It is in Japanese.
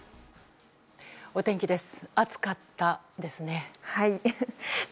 お天気です。